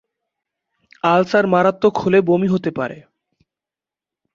Ulcer মারাত্মক হলে বমি হতে পারে।